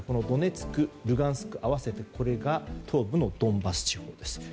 ドネツク、ルガンスク合わせてこれが東部のドンバス地方です。